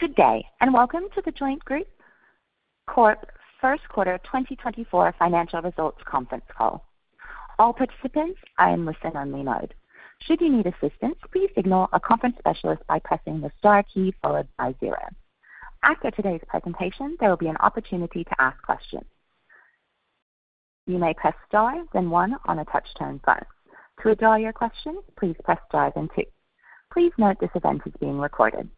Good day, and welcome to The Joint Corp. first quarter 2024 financial results conference call. All participants are in listen-only mode. Should you need assistance, please signal a conference specialist by pressing the star key followed by zero. After today's presentation, there will be an opportunity to ask questions. You may press star then one on a touchtone phone. To withdraw your question, please press star then two. Please note this event is being recorded.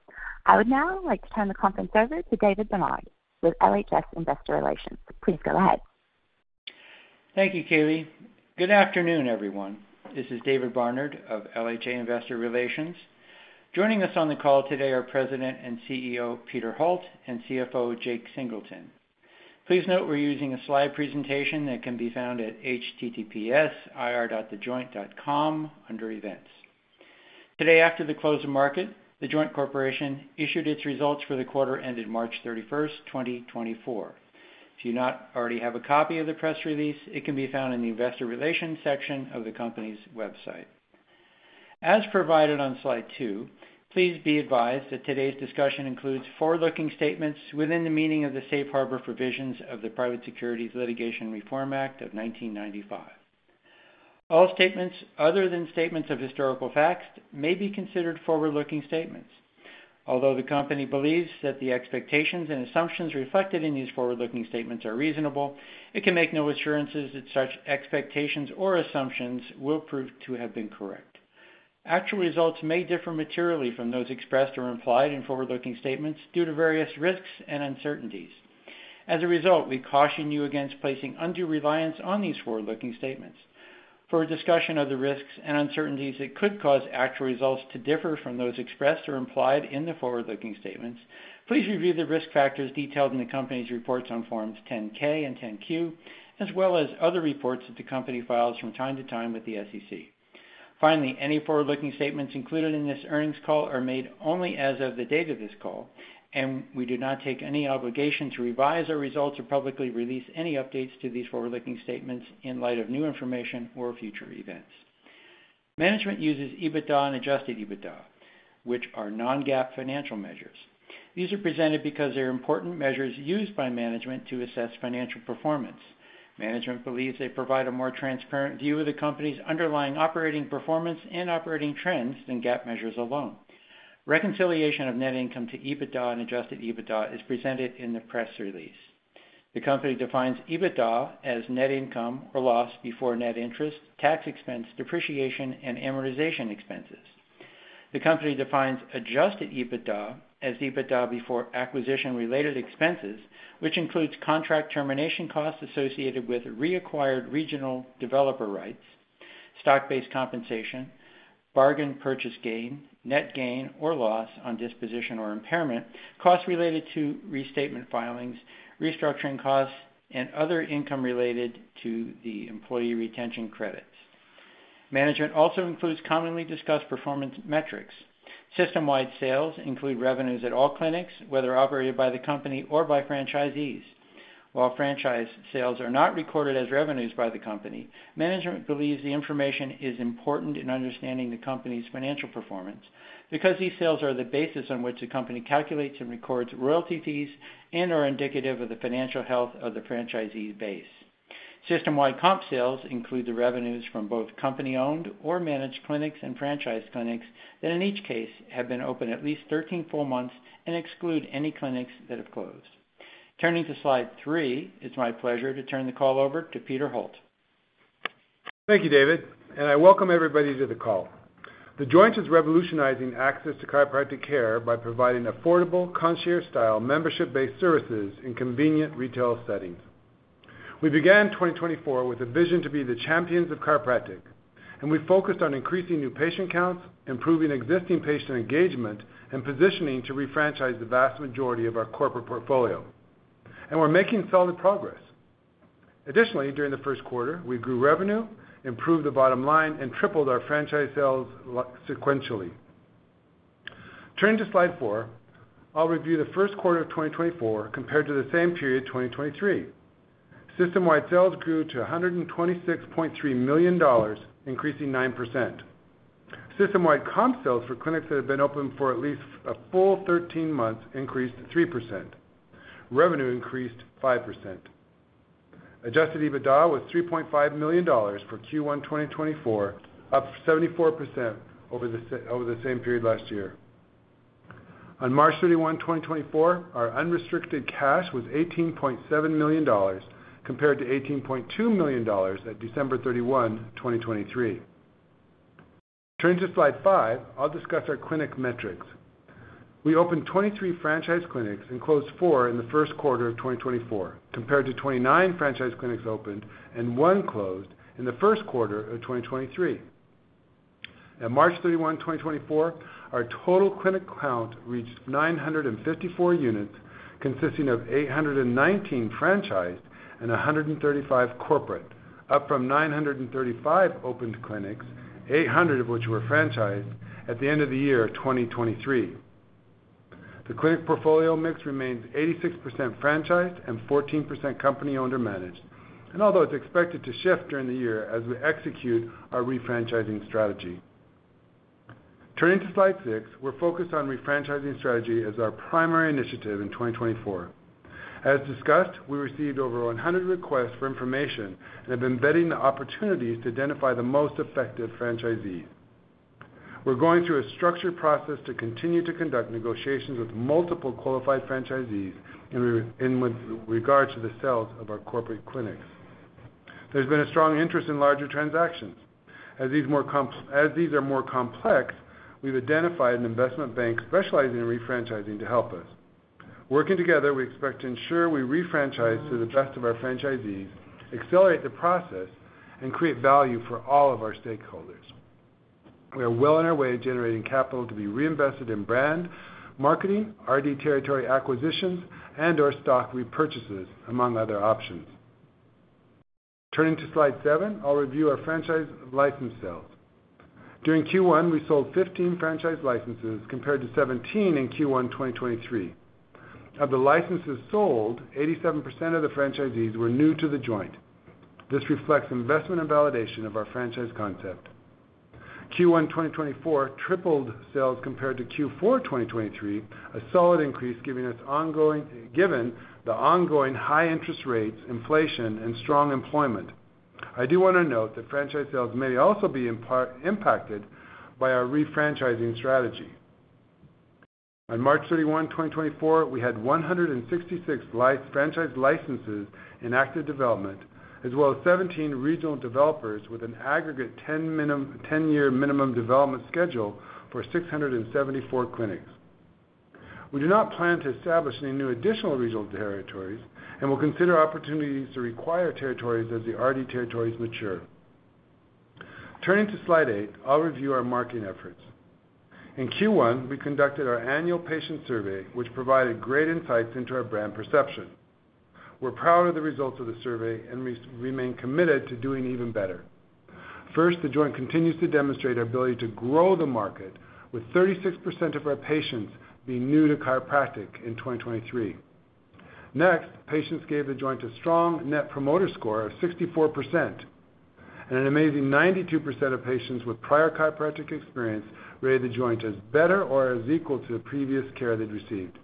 I would now like to turn the conference over to David Barnard with LHA Investor Relations. Please go ahead. Thank you, Kaylee. Good afternoon, everyone. This is David Barnard of LHA Investor Relations. Joining us on the call today are President and CEO, Peter Holt, and CFO, Jake Singleton. Please note we're using a slide presentation that can be found at https://ir.thejoint.com under Events. Today, after the close of market, The Joint Corporation issued its results for the quarter ended March 31, 2024. If you do not already have a copy of the press release, it can be found in the investor relations section of the company's website. As provided on slide two, please be advised that today's discussion includes forward-looking statements within the meaning of the Safe Harbor provisions of the Private Securities Litigation Reform Act of 1995. All statements other than statements of historical facts may be considered forward-looking statements. Although the company believes that the expectations and assumptions reflected in these forward-looking statements are reasonable, it can make no assurances that such expectations or assumptions will prove to have been correct. Actual results may differ materially from those expressed or implied in forward-looking statements due to various risks and uncertainties. As a result, we caution you against placing undue reliance on these forward-looking statements. For a discussion of the risks and uncertainties that could cause actual results to differ from those expressed or implied in the forward-looking statements, please review the risk factors detailed in the company's reports on Forms 10-K and 10-Q, as well as other reports that the company files from time to time with the SEC. Finally, any forward-looking statements included in this earnings call are made only as of the date of this call, and we do not take any obligation to revise our results or publicly release any updates to these forward-looking statements in light of new information or future events. Management uses EBITDA and adjusted EBITDA, which are non-GAAP financial measures. These are presented because they are important measures used by management to assess financial performance. Management believes they provide a more transparent view of the company's underlying operating performance and operating trends than GAAP measures alone. Reconciliation of net income to EBITDA and adjusted EBITDA is presented in the press release. The company defines EBITDA as net income or loss before net interest, tax expense, depreciation, and amortization expenses. The company defines Adjusted EBITDA as EBITDA before acquisition-related expenses, which includes contract termination costs associated with reacquired regional developer rights, stock-based compensation, bargain purchase gain, net gain or loss on disposition or impairment, costs related to restatement filings, restructuring costs, and other income related to the employee retention credits. Management also includes commonly discussed performance metrics. System-wide Sales include revenues at all clinics, whether operated by the company or by franchisees. While franchise sales are not recorded as revenues by the company, management believes the information is important in understanding the company's financial performance because these sales are the basis on which the company calculates and records royalty fees and are indicative of the financial health of the franchisee base. System-wide Comp Sales include the revenues from both company-owned or managed clinics and franchise clinics that, in each case, have been open at least 13 full months and exclude any clinics that have closed. Turning to slide three, it's my pleasure to turn the call over to Peter Holt. Thank you, David, and I welcome everybody to the call. The Joint is revolutionizing access to chiropractic care by providing affordable, concierge-style, membership-based services in convenient retail settings. We began 2024 with a vision to be the champions of chiropractic, and we focused on increasing new patient counts, improving existing patient engagement, and positioning to refranchise the vast majority of our corporate portfolio. And we're making solid progress. Additionally, during the first quarter, we grew revenue, improved the bottom line, and tripled our franchise sales sequentially. Turning to slide four, I'll review the first quarter of 2024 compared to the same period, 2023. System-wide sales grew to $126.3 million, increasing 9%. System-wide comp sales for clinics that have been open for at least a full 13 months increased 3%. Revenue increased 5%. Adjusted EBITDA was $3.5 million for Q1 2024, up 74% over the same period last year. On March 31, 2024, our unrestricted cash was $18.7 million, compared to $18.2 million at December 31, 2023. Turning to slide five, I'll discuss our clinic metrics. We opened 23 franchise clinics and closed four in the first quarter of 2024, compared to 29 franchise clinics opened and one closed in the first quarter of 2023. At March 31, 2024, our total clinic count reached 954 units, consisting of 819 franchised and 135 corporate, up from 935 opened clinics, 800 of which were franchised at the end of the year 2023.... The clinic portfolio mix remains 86% franchised and 14% company-owned or managed, and although it's expected to shift during the year as we execute our refranchising strategy. Turning to Slide six, we're focused on refranchising strategy as our primary initiative in 2024. As discussed, we received over 100 requests for information and have been vetting the opportunities to identify the most effective franchisees. We're going through a structured process to continue to conduct negotiations with multiple qualified franchisees in with regard to the sales of our corporate clinics. There's been a strong interest in larger transactions. As these are more complex, we've identified an investment bank specializing in refranchising to help us. Working together, we expect to ensure we refranchise to the best of our franchisees, accelerate the process, and create value for all of our stakeholders. We are well on our way to generating capital to be reinvested in brand, marketing, RD territory acquisitions, and our stock repurchases, among other options. Turning to Slide seven, I'll review our franchise license sales. During Q1, we sold 15 franchise licenses, compared to 17 in Q1 2023. Of the licenses sold, 87% of the franchisees were new to The Joint. This reflects investment and validation of our franchise concept. Q1 2024 tripled sales compared to Q4 2023, a solid increase, given the ongoing high interest rates, inflation, and strong employment. I do want to note that franchise sales may also be impacted by our refranchising strategy. On March 31, 2024, we had 166 franchise licenses in active development, as well as 17 regional developers with an aggregate ten-year minimum development schedule for 674 clinics. We do not plan to establish any new additional regional territories and will consider opportunities to reacquire territories as the RD territories mature. Turning to Slide eight, I'll review our marketing efforts. In Q1, we conducted our annual patient survey, which provided great insights into our brand perception. We're proud of the results of the survey and remain committed to doing even better. First, The Joint continues to demonstrate our ability to grow the market, with 36% of our patients being new to chiropractic in 2023. Next, patients gave The Joint a strong Net Promoter Score of 64%, and an amazing 92% of patients with prior chiropractic experience rated The Joint as better or as equal to the previous care they'd received.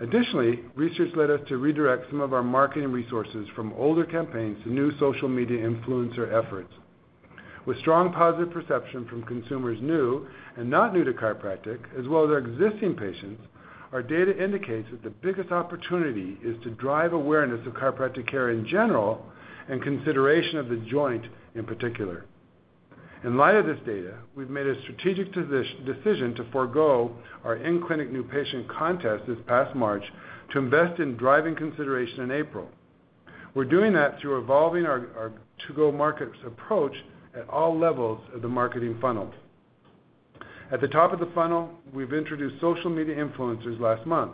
Additionally, research led us to redirect some of our marketing resources from older campaigns to new social media influencer efforts. With strong positive perception from consumers new and not new to chiropractic, as well as our existing patients, our data indicates that the biggest opportunity is to drive awareness of chiropractic care in general, and consideration of The Joint in particular. In light of this data, we've made a strategic decision to forgo our in-clinic new patient contest this past March to invest in driving consideration in April. We're doing that through evolving our go-to-market approach at all levels of the marketing funnel. At the top of the funnel, we've introduced social media influencers last month.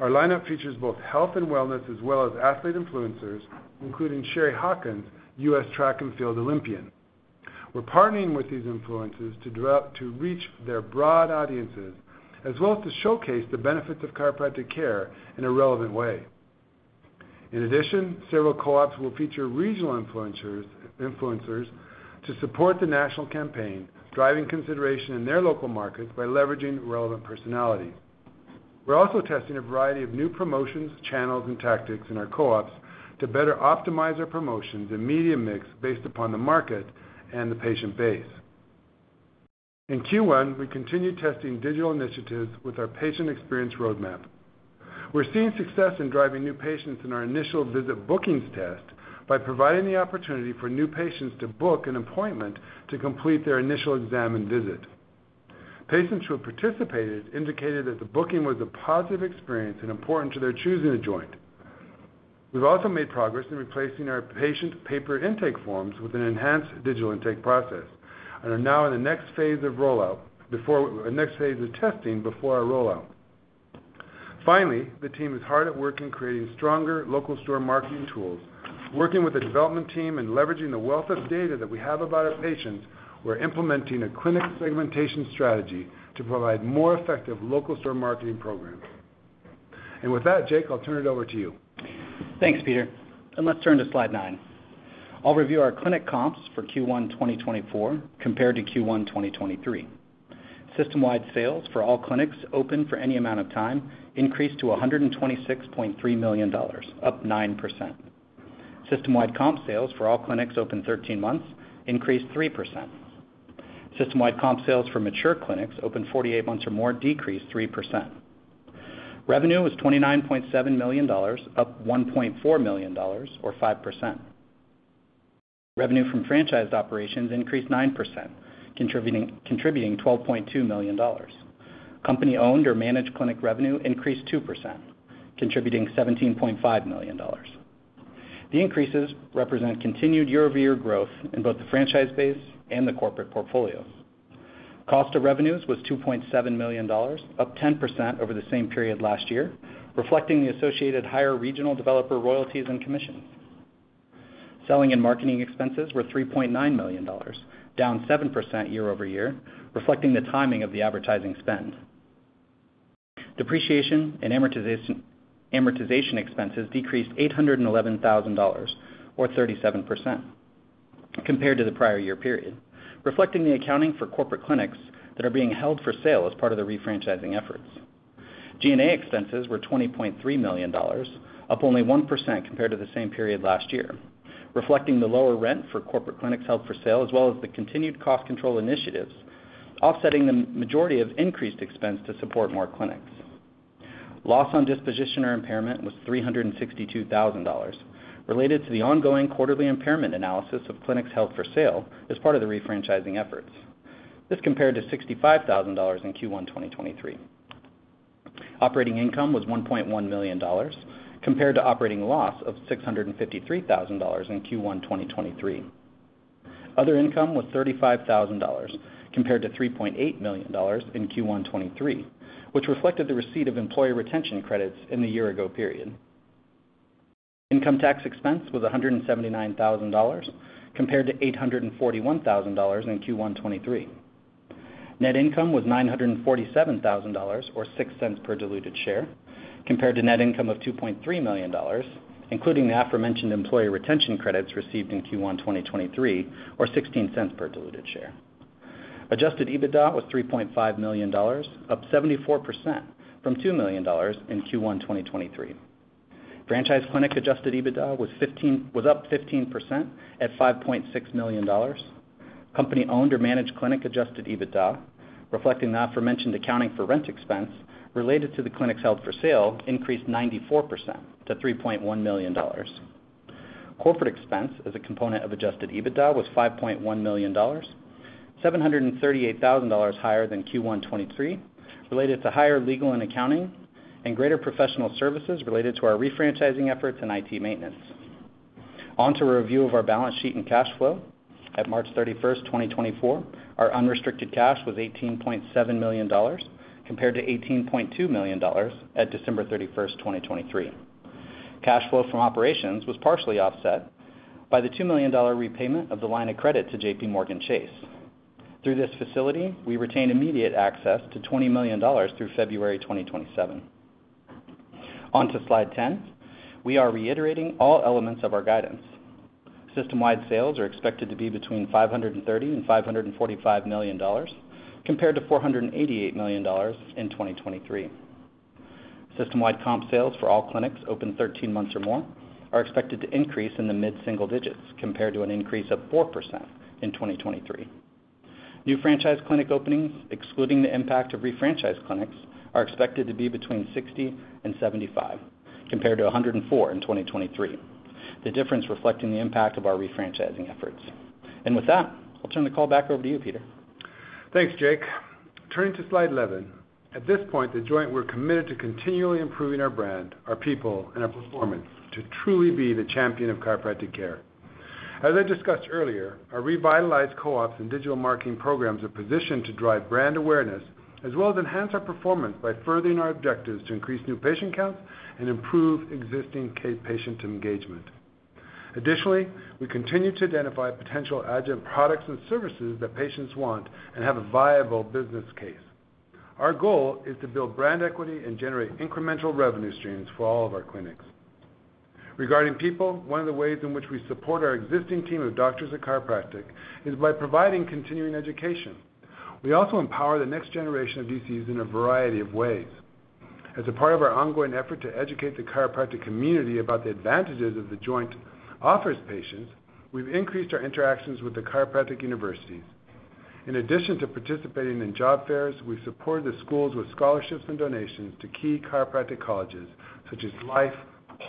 Our lineup features both health and wellness, as well as athlete influencers, including Chari Hawkins, U.S. Track and Field Olympian. We're partnering with these influencers to reach their broad audiences, as well as to showcase the benefits of chiropractic care in a relevant way. In addition, several co-ops will feature regional influencers, influencers to support the national campaign, driving consideration in their local markets by leveraging relevant personalities. We're also testing a variety of new promotions, channels, and tactics in our co-ops to better optimize our promotions and media mix based upon the market and the patient base. In Q1, we continued testing digital initiatives with our patient experience roadmap. We're seeing success in driving new patients in our initial visit bookings test by providing the opportunity for new patients to book an appointment to complete their initial exam and visit. Patients who have participated indicated that the booking was a positive experience and important to their choosing The Joint. We've also made progress in replacing our patient paper intake forms with an enhanced digital intake process and are now in the next phase of testing before our rollout. Finally, the team is hard at work in creating stronger local store marketing tools. Working with the development team and leveraging the wealth of data that we have about our patients, we're implementing a clinic segmentation strategy to provide more effective local store marketing programs. And with that, Jake, I'll turn it over to you. Thanks, Peter, and let's turn to Slide nine. I'll review our clinic comps for Q1 2024 compared to Q1 2023. System-wide sales for all clinics open for any amount of time increased to $126.3 million, up 9%. System-wide comp sales for all clinics open 13 months increased 3%. System-wide comp sales for mature clinics open 48 months or more decreased 3%. Revenue was $29.7 million, up $1.4 million or 5%. Revenue from franchised operations increased 9%, contributing $12.2 million. Company-owned or managed clinic revenue increased 2%, contributing $17.5 million. The increases represent continued year-over-year growth in both the franchise base and the corporate portfolios. Cost of revenues was $2.7 million, up 10% over the same period last year, reflecting the associated higher regional developer royalties and commissions. Selling and marketing expenses were $3.9 million, down 7% year-over-year, reflecting the timing of the advertising spend. Depreciation and amortization, amortization expenses decreased $811,000 or 37% compared to the prior year period, reflecting the accounting for corporate clinics that are being held for sale as part of the refranchising efforts. G&A expenses were $20.3 million, up only 1% compared to the same period last year, reflecting the lower rent for corporate clinics held for sale, as well as the continued cost control initiatives, offsetting the majority of increased expense to support more clinics. Loss on disposition or impairment was $362,000, related to the ongoing quarterly impairment analysis of clinics held for sale as part of the refranchising efforts. This compared to $65,000 in Q1 2023. Operating income was $1.1 million, compared to operating loss of $653,000 in Q1 2023. Other income was $35,000, compared to $3.8 million in Q1 2023, which reflected the receipt of employee retention credits in the year-ago period. Income tax expense was $179,000, compared to $841,000 in Q1 2023. Net income was $947,000, or $0.06 per diluted share, compared to net income of $2.3 million, including the aforementioned employee retention credits received in Q1 2023, or $0.16 per diluted share. Adjusted EBITDA was $3.5 million, up 74% from $2 million in Q1 2023. Franchise clinic adjusted EBITDA was up 15% at $5.6 million. Company-owned or managed clinic adjusted EBITDA, reflecting the aforementioned accounting for rent expense related to the clinics held for sale, increased 94% to $3.1 million. Corporate expense as a component of adjusted EBITDA was $5.1 million, $738,000 higher than Q1 2023, related to higher legal and accounting and greater professional services related to our refranchising efforts and IT maintenance. On to a review of our balance sheet and cash flow. At March 31, 2024, our unrestricted cash was $18.7 million, compared to $18.2 million at December 31, 2023. Cash flow from operations was partially offset by the $2 million repayment of the line of credit to JPMorgan Chase. Through this facility, we retained immediate access to $20 million through February 2027. On to Slide 10. We are reiterating all elements of our guidance. System-wide sales are expected to be between $530 million and $545 million, compared to $488 million in 2023. System-wide comp sales for all clinics open 13 months or more are expected to increase in the mid-single digits, compared to an increase of 4% in 2023. New franchise clinic openings, excluding the impact of refranchised clinics, are expected to be between 60 and 75, compared to 104 in 2023. The difference reflecting the impact of our refranchising efforts. With that, I'll turn the call back over to you, Peter. Thanks, Jake. Turning to Slide 11. At this point, The Joint, we're committed to continually improving our brand, our people, and our performance to truly be the champion of chiropractic care. As I discussed earlier, our revitalized co-ops and digital marketing programs are positioned to drive brand awareness, as well as enhance our performance by furthering our objectives to increase new patient counts and improve existing K- patient engagement. Additionally, we continue to identify potential adjunct products and services that patients want and have a viable business case. Our goal is to build brand equity and generate incremental revenue streams for all of our clinics. Regarding people, one of the ways in which we support our existing team of doctors of chiropractic is by providing continuing education. We also empower the next generation of DCs in a variety of ways. As a part of our ongoing effort to educate the chiropractic community about the advantages of The Joint offers patients, we've increased our interactions with the chiropractic universities. In addition to participating in job fairs, we support the schools with scholarships and donations to key chiropractic colleges such as Life,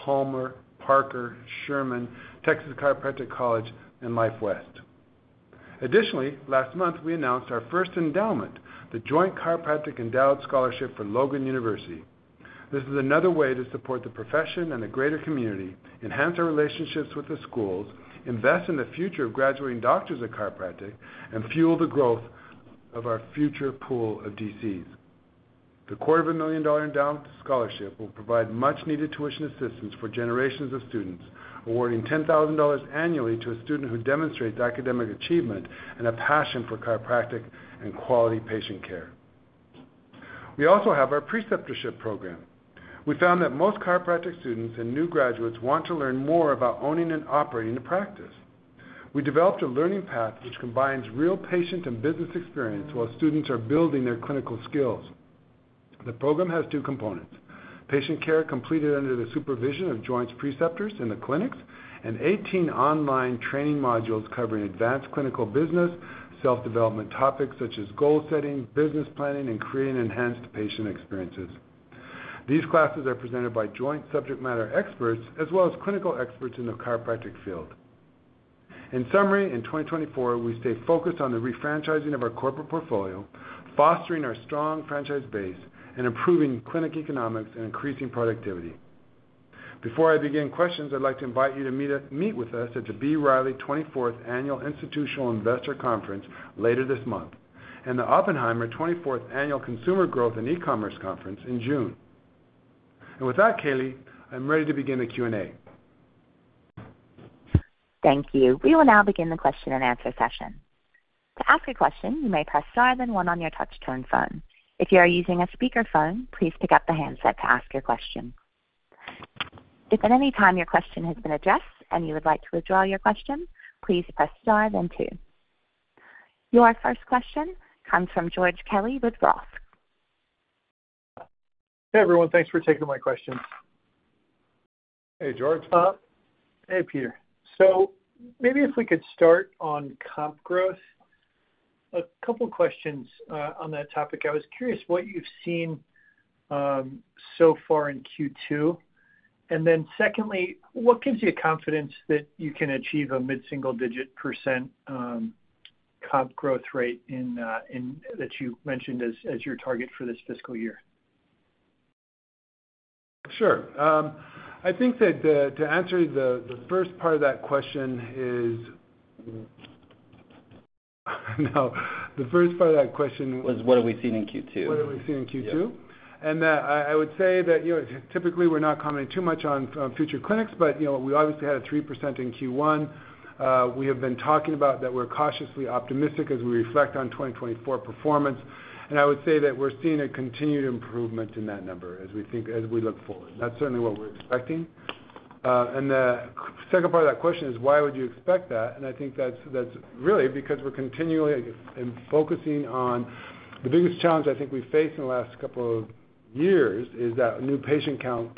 Palmer, Parker, Sherman, Texas Chiropractic College, and Life West. Additionally, last month, we announced our first endowment, The Joint Chiropractic Endowed Scholarship for Logan University. This is another way to support the profession and the greater community, enhance our relationships with the schools, invest in the future of graduating doctors of chiropractic, and fuel the growth of our future pool of DCs. The [$250,000] endowed scholarship will provide much-needed tuition assistance for generations of students, awarding $10,000 annually to a student who demonstrates academic achievement and a passion for chiropractic and quality patient care. We also have our Preceptorship program. We found that most chiropractic students and new graduates want to learn more about owning and operating a practice. We developed a learning path which combines real patient and business experience while students are building their clinical skills. The program has two components: patient care completed under the supervision of Joint's preceptors in the clinics, and 18 online training modules covering advanced clinical business, self-development topics such as goal setting, business planning, and creating enhanced patient experiences. These classes are presented by Joint subject matter experts, as well as clinical experts in the chiropractic field. In summary, in 2024, we stay focused on the refranchising of our corporate portfolio, fostering our strong franchise base, and improving clinic economics and increasing productivity. Before I begin questions, I'd like to invite you to meet with us at the B. Riley 24th Annual Institutional Investor conference later this month, and the Oppenheimer 24th Annual Consumer Growth and E-commerce conference in June. And with that, Kaylee, I'm ready to begin the Q&A. Thank you. We will now begin the question-and-answer session. To ask a question, you may press star then one on your touch-tone phone. If you are using a speakerphone, please pick up the handset to ask your question. If at any time your question has been addressed and you would like to withdraw your question, please press star then two. Your first question comes from George Kelly with Roth. Hey, everyone. Thanks for taking my question. Hey, George. Hey, Peter. So maybe if we could start on comp growth. A couple questions on that topic. I was curious what you've seen so far in Q2. Then secondly, what gives you confidence that you can achieve a mid-single-digit percent comp growth rate in that you mentioned as your target for this fiscal year? Sure. I think that to answer the first part of that question is... Now, the first part of that question- What have we seen in Q2? What have we seen in Q2? Yeah. I would say that, you know, typically, we're not commenting too much on future clinics, but, you know, we obviously had a 3% in Q1. We have been talking about that we're cautiously optimistic as we reflect on 2024 performance, and I would say that we're seeing a continued improvement in that number as we think, as we look forward. That's certainly what we're expecting. And the second part of that question is, why would you expect that? And I think that's really because we're continually focusing on... The biggest challenge I think we faced in the last couple of years is that new patient count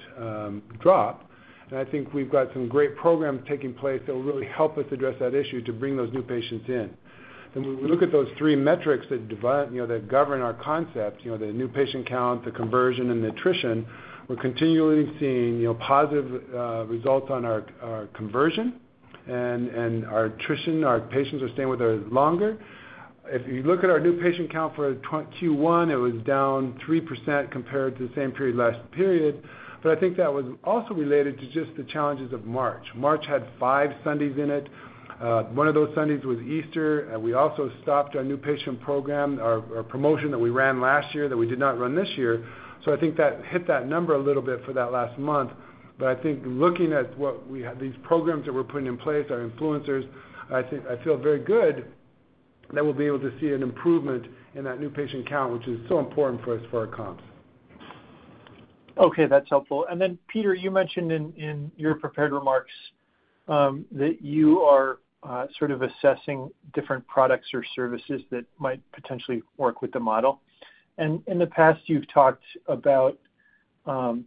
dropped, and I think we've got some great programs taking place that will really help us address that issue, to bring those new patients in. When we look at those three metrics that divide, you know, that govern our concept, you know, the new patient count, the conversion, and the attrition, we're continually seeing, you know, positive results on our, our conversion and, and our attrition. Our patients are staying with us longer. If you look at our new patient count for Q1, it was down 3% compared to the same period last period, but I think that was also related to just the challenges of March. March had five Sundays in it. One of those Sundays was Easter. We also stopped our new patient program, our, our promotion that we ran last year, that we did not run this year. So I think that hit that number a little bit for that last month. But I think looking at what we have, these programs that we're putting in place, our influencers, I think I feel very good that we'll be able to see an improvement in that new patient count, which is so important for us for our comps. Okay, that's helpful. And then, Peter, you mentioned in your prepared remarks that you are sort of assessing different products or services that might potentially work with the model. And in the past, you've talked about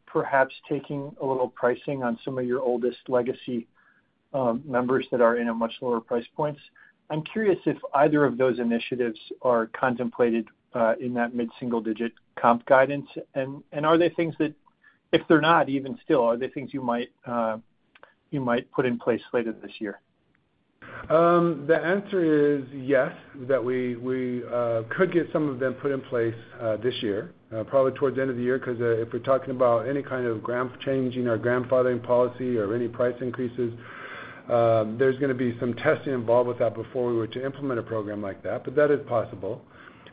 perhaps taking a little pricing on some of your oldest legacy members that are in a much lower price points. I'm curious if either of those initiatives are contemplated in that mid-single-digit comp guidance. And are they things that... If they're not, even still, are they things you might put in place later this year? The answer is yes, that we could get some of them put in place this year, probably towards the end of the year, 'cause if we're talking about any kind of changing our grandfathering policy or any price increases, there's gonna be some testing involved with that before we were to implement a program like that, but that is possible.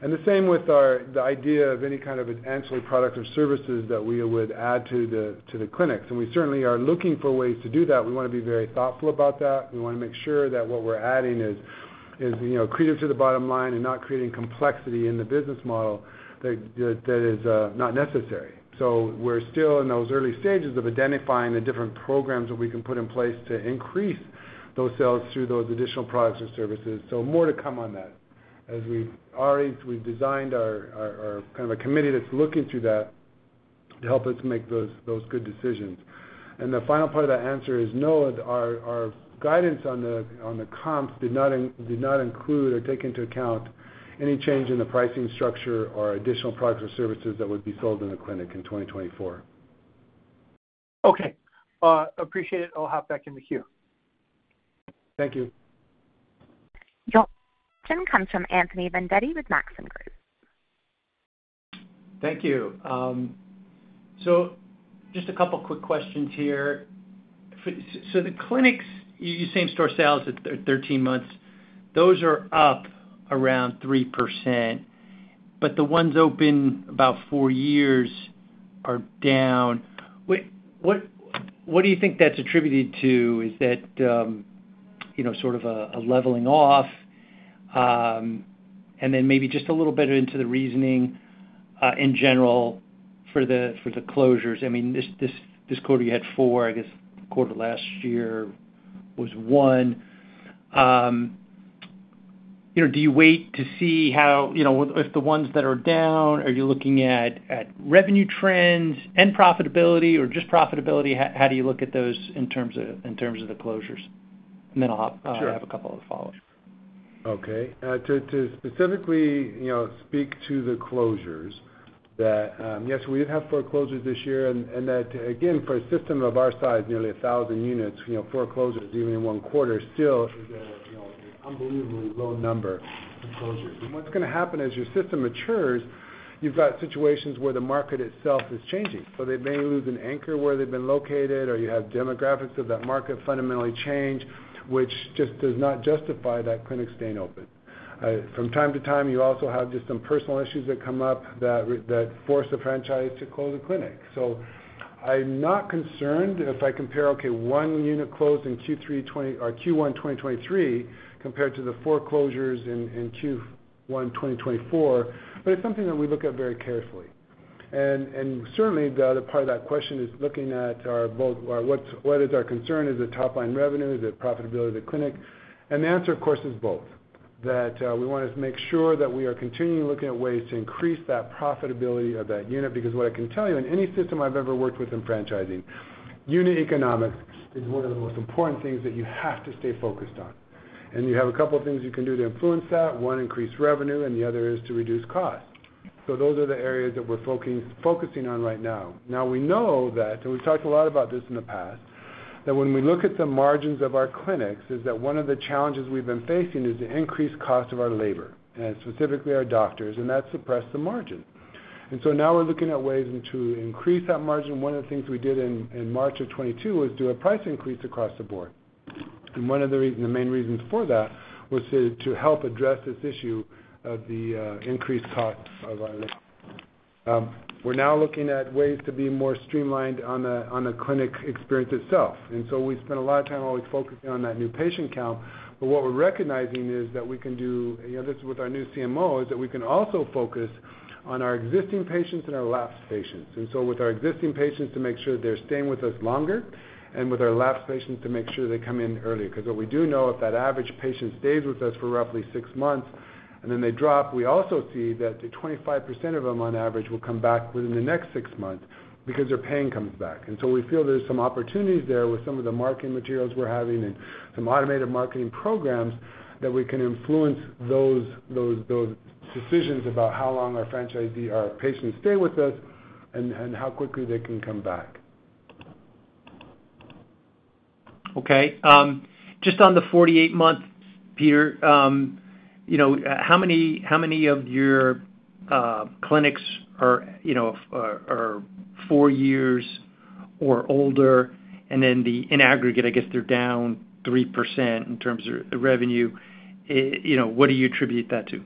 The same with the idea of any kind of ancillary products or services that we would add to the clinics, and we certainly are looking for ways to do that. We wanna be very thoughtful about that. We wanna make sure that what we're adding is, you know, accretive to the bottom line and not creating complexity in the business model that is not necessary. So we're still in those early stages of identifying the different programs that we can put in place to increase those sales through those additional products and services. So more to come on that. As we've already, we've designed our kind of a committee that's looking through that to help us make those good decisions. And the final part of that answer is no, our guidance on the comps did not include or take into account any change in the pricing structure or additional products or services that would be sold in a clinic in 2024. Okay. Appreciate it. I'll hop back in the queue. Thank you. Your next question comes from Anthony Vendetti with Maxim Group. Thank you. So just a couple quick questions here. So the clinics, your same-store sales at 13 months, those are up around 3%, but the ones open about four years are down. Wait, what do you think that's attributed to? Is that, you know, sort of a leveling off? And then maybe just a little bit into the reasoning, in general for the closures. I mean, this quarter you had four, I guess quarter last year was one. You know, do you wait to see how, you know, if the ones that are down, are you looking at revenue trends and profitability, or just profitability? How do you look at those in terms of the closures? And then I'll, Sure. have a couple of follow-ups. Okay. To specifically, you know, speak to the closures, that yes, we have four closures this year, and that, again, for a system of our size, nearly thousand units, you know, four closures, even in one quarter, still is a, you know, unbelievably low number of closures. And what's gonna happen as your system matures, you've got situations where the market itself is changing, so they may lose an anchor where they've been located, or you have demographics of that market fundamentally change, which just does not justify that clinic staying open. From time to time, you also have just some personal issues that come up that force a franchise to close a clinic. So I'm not concerned if I compare, okay, one unit closed in Q1, 2023, compared to the four closures in Q1, 2024, but it's something that we look at very carefully. And certainly, the other part of that question is looking at our both, what, what is our concern? Is it top-line revenue? Is it profitability of the clinic? And the answer, of course, is both. That we wanted to make sure that we are continuing looking at ways to increase that profitability of that unit, because what I can tell you, in any system I've ever worked with in franchising, unit economics is one of the most important things that you have to stay focused on. And you have a couple of things you can do to influence that. One, increase revenue, and the other is to reduce cost. So those are the areas that we're focusing on right now. Now, we know that, and we've talked a lot about this in the past, that when we look at the margins of our clinics, is that one of the challenges we've been facing is the increased cost of our labor, and specifically our doctors, and that's suppressed the margin. And so now we're looking at ways to increase that margin. One of the things we did in March 2022 was do a price increase across the board. And one of the main reasons for that was to help address this issue of the increased cost of our labor. We're now looking at ways to be more streamlined on the clinic experience itself. And so we spend a lot of time always focusing on that new patient count, but what we're recognizing is that we can do, you know, this with our new CMO, is that we can also focus on our existing patients and our lapsed patients. And so with our existing patients, to make sure they're staying with us longer, and with our lapsed patients, to make sure they come in earlier. Because what we do know, if that average patient stays with us for roughly six months and then they drop, we also see that the 25% of them, on average, will come back within the next six months because their pain comes back. And so we feel there's some opportunities there with some of the marketing materials we're having and some automated marketing programs, that we can influence those decisions about how long our franchisee—our patients stay with us and how quickly they can come back. Okay. Just on the 48 months, Peter, you know, how many of your clinics are, you know, four years or older, and then in aggregate, I guess, they're down 3% in terms of the revenue. You know, what do you attribute that to?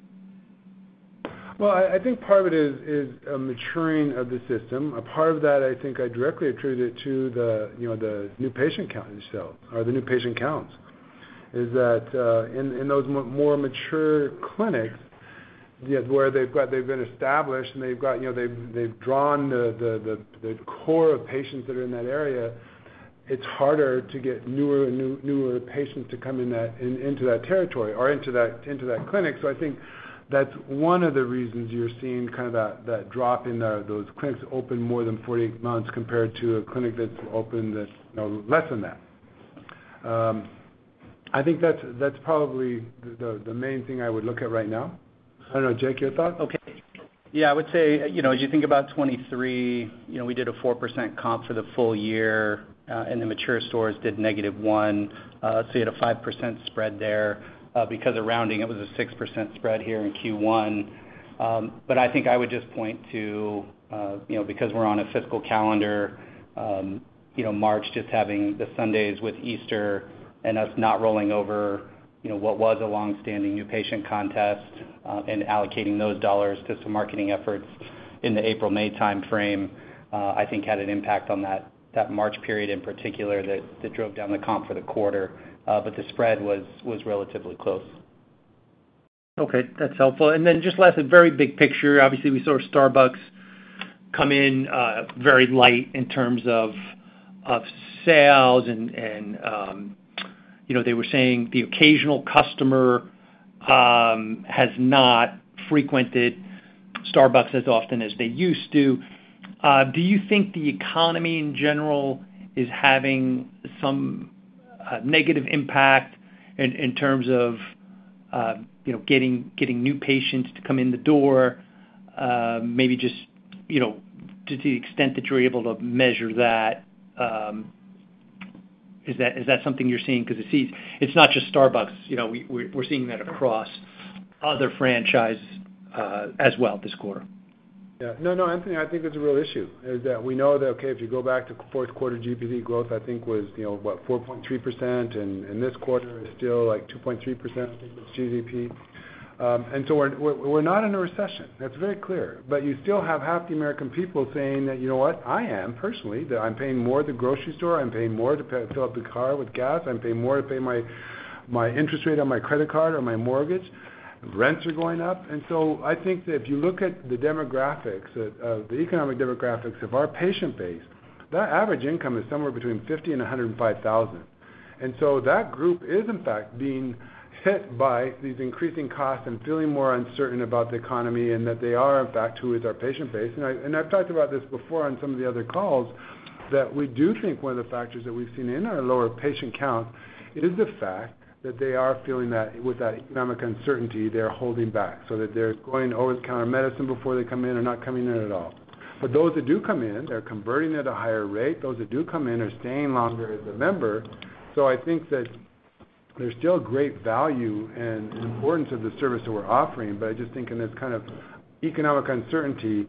Well, I think part of it is a maturing of the system. A part of that, I think, I directly attribute it to the, you know, the new patient count itself, or the new patient counts, is that in those more mature clinics, where they've been established, and they've got, you know, they've drawn the core of patients that are in that area, it's harder to get newer patients to come in that into that territory or into that clinic. So I think that's one of the reasons you're seeing kind of that drop in those clinics open more than 48 months compared to a clinic that's opened less than that. I think that's probably the main thing I would look at right now. I don't know, Jake, your thoughts? Okay. Yeah, I would say, you know, as you think about 2023, you know, we did a 4% comp for the full year, and the mature stores did -1%. So you had a 5% spread there. Because of rounding, it was a 6% spread here in Q1. But I think I would just point to, you know, because we're on a fiscal calendar, you know, March, just having the Sundays with Easter and us not rolling over, you know, what was a long-standing new patient contest, and allocating those dollars to some marketing efforts in the April-May timeframe, I think had an impact on that March period, in particular, that drove down the comp for the quarter. But the spread was relatively close. Okay, that's helpful. And then just last, a very big picture. Obviously, we saw Starbucks come in, very light in terms of sales and, you know, they were saying the occasional customer has not frequented Starbucks as often as they used to. Do you think the economy, in general, is having some negative impact in terms of, you know, getting new patients to come in the door? Maybe just, you know, to the extent that you're able to measure that, is that something you're seeing? Because it seems it's not just Starbucks. You know, we're seeing that across other franchises as well this quarter. Yeah. No, no, Anthony, I think it's a real issue, is that we know that, okay, if you go back to fourth quarter, GDP growth, I think was, you know, what, 4.3%, and, and this quarter is still, like, 2.3% GDP. And so we're, we're, we're not in a recession. That's very clear. But you still have half the American people saying that, "You know what? I am, personally, that I'm paying more at the grocery store. I'm paying more to fill up the car with gas. I'm paying more to pay my, my interest rate on my credit card or my mortgage. Rents are going up." And so I think that if you look at the demographics of, of, the economic demographics of our patient base, their average income is somewhere between $50,000 and $105,000. And so that group is, in fact, being hit by these increasing costs and feeling more uncertain about the economy, and that they are, in fact, who is our patient base. And I, and I've talked about this before on some of the other calls, that we do think one of the factors that we've seen in our lower patient count. It is the fact that they are feeling that with that economic uncertainty, they are holding back, so that they're going over-the-counter medicine before they come in or not coming in at all. But those that do come in, they're converting at a higher rate. Those that do come in are staying longer as a member. So I think that there's still great value and importance of the service that we're offering, but I just think in this kind of economic uncertainty,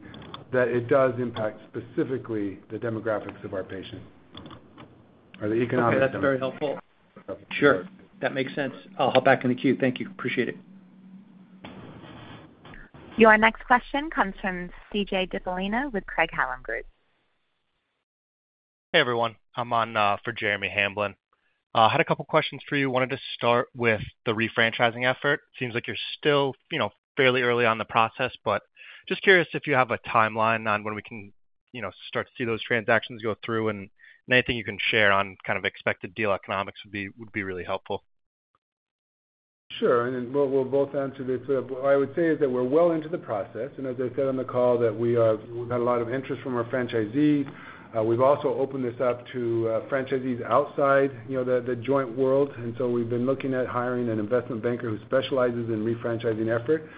that it does impact specifically the demographics of our patients. Are they economic? That's very helpful. Sure, that makes sense. I'll hop back in the queue. Thank you. Appreciate it. Your next question comes from CJ DiPalina with Craig-Hallum. Hey, everyone. I'm on for Jeremy Hamblin. I had a couple questions for you. Wanted to start with the refranchising effort. Seems like you're still, you know, fairly early on in the process, but just curious if you have a timeline on when we can, you know, start to see those transactions go through, and anything you can share on kind of expected deal economics would be, would be really helpful. Sure. And we'll, we'll both answer this. What I would say is that we're well into the process, and as I said on the call, that we are-- we've had a lot of interest from our franchisees. We've also opened this up to, franchisees outside, you know, the, The Joint world. And so we've been looking at hiring an investment banker who specializes in refranchising effort.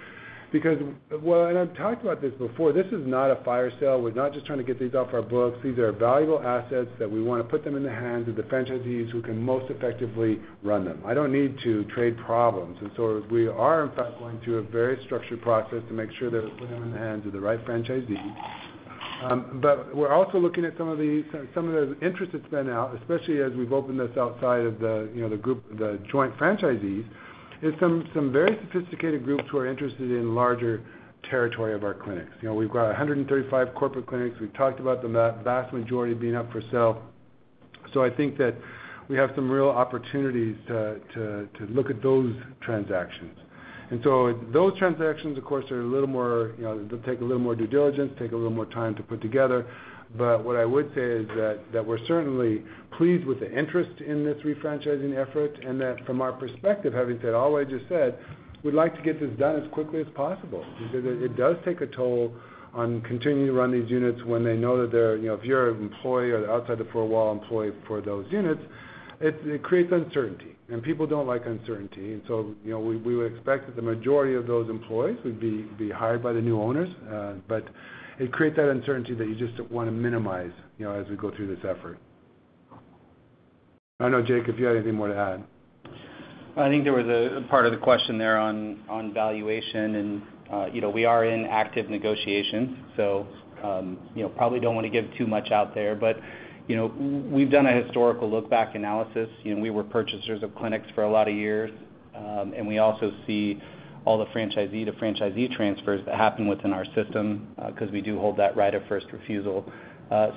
Because... Well, and I've talked about this before, this is not a fire sale. We're not just trying to get these off our books. These are valuable assets that we wanna put them in the hands of the franchisees who can most effectively run them. I don't need to trade problems, and so we are, in fact, going through a very structured process to make sure that we're putting them in the hands of the right franchisees. But we're also looking at some of the interest that's been out, especially as we've opened this outside of the, you know, the group, The Joint franchisees, some very sophisticated groups who are interested in larger territory of our clinics. You know, we've got 135 corporate clinics. We've talked about the vast majority being up for sale. So I think that we have some real opportunities to look at those transactions. And so those transactions, of course, are a little more, you know, they'll take a little more due diligence, take a little more time to put together. But what I would say is that we're certainly pleased with the interest in this refranchising effort, and that from our perspective, having said all I just said, we'd like to get this done as quickly as possible. Because it does take a toll on continuing to run these units when they know that they're... You know, if you're an employee or outside-the-four-wall employee for those units, it creates uncertainty, and people don't like uncertainty. And so, you know, we would expect that the majority of those employees would be hired by the new owners, but it creates that uncertainty that you just wanna minimize, you know, as we go through this effort. I don't know, Jake, if you have anything more to add. I think there was a part of the question there on valuation and, you know, we are in active negotiations, so, you know, probably don't want to give too much out there. But, you know, we've done a historical look-back analysis. You know, we were purchasers of clinics for a lot of years, and we also see all the franchisee-to-franchisee transfers that happen within our system, 'cause we do hold that right of first refusal.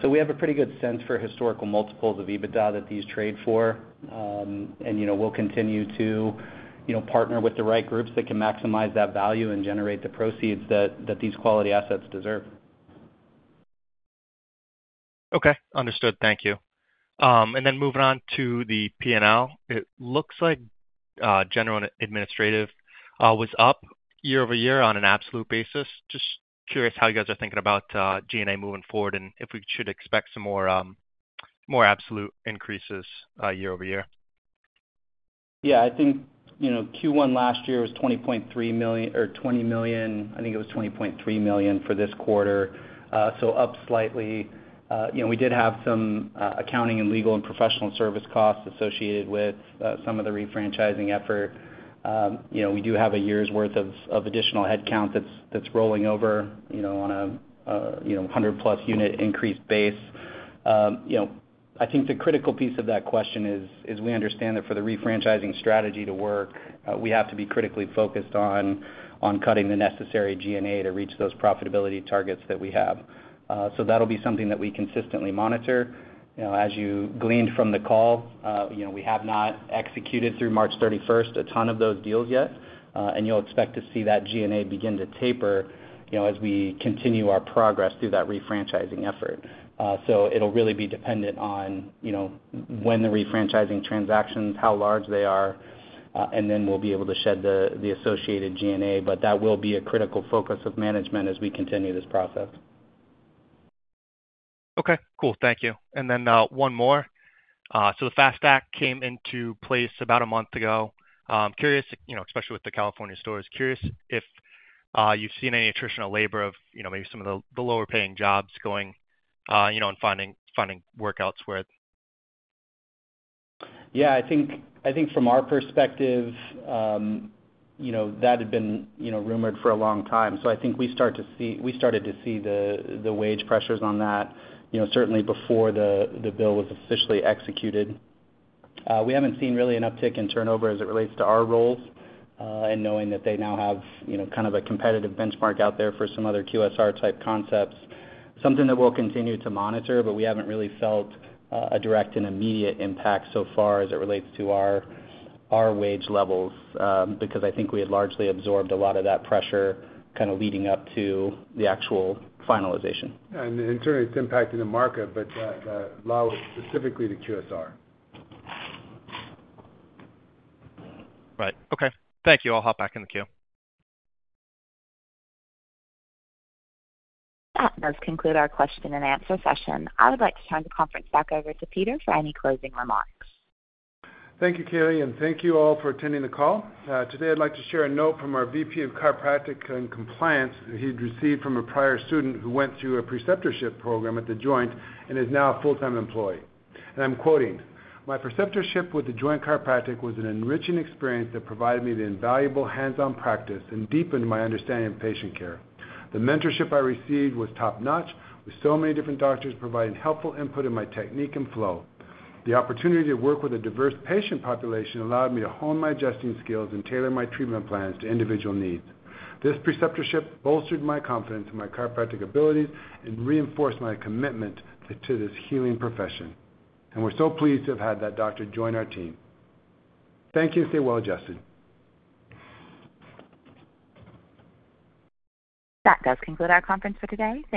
So we have a pretty good sense for historical multiples of EBITDA that these trade for. And, you know, we'll continue to, you know, partner with the right groups that can maximize that value and generate the proceeds that these quality assets deserve. Okay, understood. Thank you. Moving on to the P&L, it looks like general and administrative was up year-over-year on an absolute basis. Just curious how you guys are thinking about G&A moving forward, and if we should expect some more absolute increases year-over-year. Yeah, I think, you know, Q1 last year was $20.3 million, or $20 million. I think it was $20.3 million for this quarter, so up slightly. You know, we did have some accounting and legal and professional service costs associated with some of the refranchising effort. You know, we do have a year's worth of additional headcount that's rolling over, you know, on a 100+ unit increased base. You know, I think the critical piece of that question is, as we understand it, for the refranchising strategy to work, we have to be critically focused on cutting the necessary G&A to reach those profitability targets that we have. So that'll be something that we consistently monitor. You know, as you gleaned from the call, you know, we have not executed through March 31st a ton of those deals yet, and you'll expect to see that G&A begin to taper, you know, as we continue our progress through that refranchising effort. So it'll really be dependent on, you know, when the refranchising transactions, how large they are, and then we'll be able to shed the associated G&A. But that will be a critical focus of management as we continue this process. Okay, cool. Thank you. And then, one more. So the FAST Act came into place about a month ago. Curious, you know, especially with the California stores, curious if you've seen any attrition of labor, you know, maybe some of the lower-paying jobs going, you know, and finding work elsewhere? Yeah, I think, I think from our perspective, you know, that had been, you know, rumored for a long time, so I think we start to see... We started to see the wage pressures on that, you know, certainly before the bill was officially executed. We haven't seen really an uptick in turnover as it relates to our roles, and knowing that they now have, you know, kind of a competitive benchmark out there for some other QSR-type concepts. Something that we'll continue to monitor, but we haven't really felt a direct and immediate impact so far as it relates to our wage levels, because I think we had largely absorbed a lot of that pressure kind of leading up to the actual finalization. In turn, it's impacting the market, but specifically the QSR. Right. Okay. Thank you. I'll hop back in the queue. That does conclude our question-and-answer session. I would like to turn the conference back over to Peter for any closing remarks. Thank you, Kelly, and thank you all for attending the call. Today I'd like to share a note from our VP of Chiropractic and Compliance. He'd received from a prior student who went through a preceptorship program at The Joint and is now a full-time employee. I'm quoting: "My preceptorship with The Joint Chiropractic was an enriching experience that provided me the invaluable hands-on practice and deepened my understanding of patient care. The mentorship I received was top-notch, with so many different doctors providing helpful input in my technique and flow. The opportunity to work with a diverse patient population allowed me to hone my adjusting skills and tailor my treatment plans to individual needs. This preceptorship bolstered my confidence in my chiropractic abilities and reinforced my commitment to this healing profession." We're so pleased to have had that doctor join our team. Thank you, and stay well-adjusted. That does conclude our conference for today. Thank you.